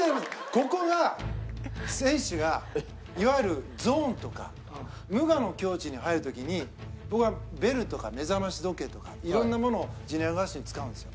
ここが選手がいわゆるゾーンとか無我の境地に入る時に僕はベルとか目覚まし時計とか色んなものをジュニア合宿で使うんですよ。